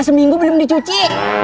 seminggu belum dicuci